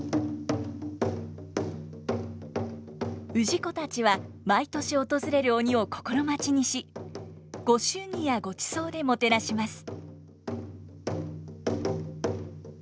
氏子たちは毎年訪れる鬼を心待ちにし御祝儀やごちそうでもてなします。